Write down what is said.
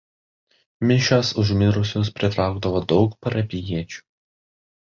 Mišios už mirusius pritraukdavo daug parapijiečių.